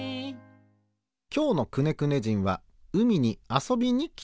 きょうのくねくね人はうみにあそびにきています。